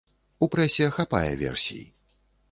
У прэсе хапае версій.